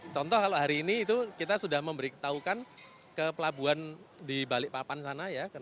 contoh kalau hari ini itu kita sudah memberitahukan ke pelabuhan di balikpapan sana ya